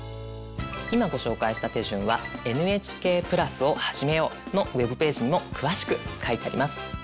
今ご紹介した手順は「ＮＨＫプラスをはじめよう」のウェブページにも詳しく書いてあります。